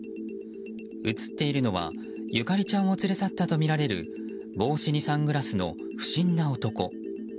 映っているのは、ゆかりちゃんを連れ去ったとみられる帽子にサングラスの不審な男。